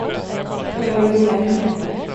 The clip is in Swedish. Kollar in det.